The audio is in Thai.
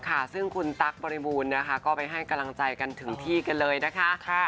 ค่ะซึ่งคุณตั๊กบริบูรณ์นะคะก็ไปให้กำลังใจกันถึงที่กันเลยนะคะ